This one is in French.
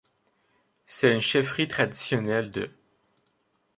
C'est une chefferie traditionnelle de.